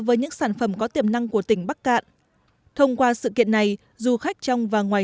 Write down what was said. với những sản phẩm có tiềm năng của tỉnh bắc cạn thông qua sự kiện này du khách trong và ngoài